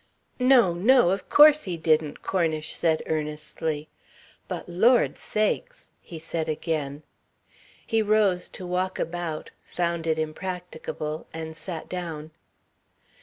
"No, no. Of course he didn't," Cornish said earnestly. "But Lord sakes " he said again. He rose to walk about, found it impracticable and sat down.